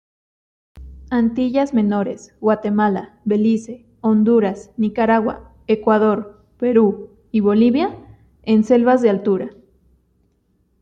Antillas Menores, Guatemala, Belice, Honduras, Nicaragua, Ecuador, Perú y Bolivia, en selvas de altura.